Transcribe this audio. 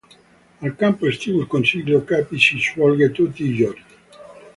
Al campo estivo il consiglio capi si svolge tutti i giorni.